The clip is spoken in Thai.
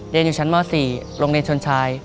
เรียนอยู่ชั้นม๔โรงเรียนชนชาย